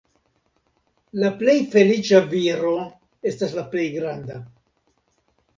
La plej feliĉa viro estas la plej granda.